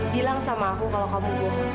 bilang sama aku kalau kamu guru